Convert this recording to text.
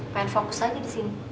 pengen fokus aja di sini